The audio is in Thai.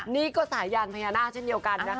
นี่ก็สายยานพญานาคเช่นเดียวกันนะคะ